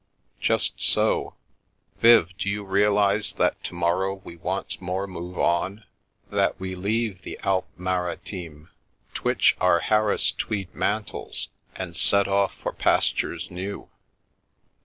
"Just so. Viv, do you realise that to morrow we once more move on? That we leave the Alpes Mari times, twitch our Harris tweed mantles, and set off for pastures new?"